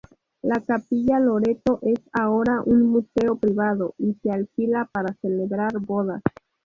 La capilla Loreto es ahora un museo privado y se alquila para celebrar bodas.